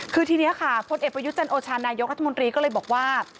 คือทีนี้ค่ะพลเอกประยุทธ์จันโอชานายกรัฐมนตรีก็เลยบอกว่า